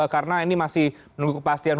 karena ini masih menunggu kepastian